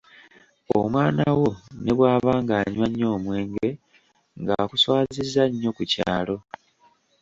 Omwana wo ne bw’aba ng’anywa nnyo omwenge, ng’akuswazizza nnyo ku kyalo.